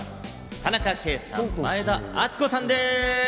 田中圭さん、前田敦子さんです。